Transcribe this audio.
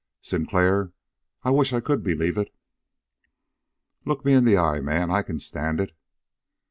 "Sinclair, I wish I could believe it!" "Look me in the eye, man! I can stand it."